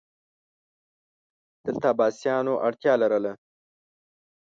دلته عباسیانو اړتیا لرله